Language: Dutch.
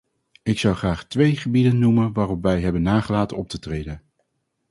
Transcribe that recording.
Ik zou graag twee gebieden noemen waarop wij hebben nagelaten op te treden.